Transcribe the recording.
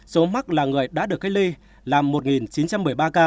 số mắc là người đã được cách ly là một chín trăm một mươi ba ca